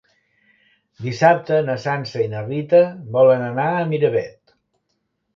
Dissabte na Sança i na Rita volen anar a Miravet.